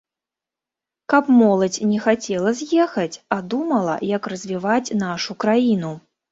Каб моладзь не хацела з'ехаць, а думала, як развіваць нашу краіну.